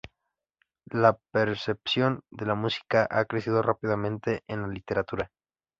La percepción de la música ha crecido rápidamente en la literatura.